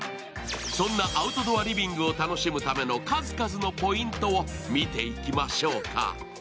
そんなアウトドアリビングを楽しむための数々のポイントを見ていきましょうか。